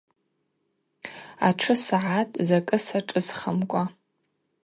Атшы сагатӏ закӏы сашӏысхымкӏва.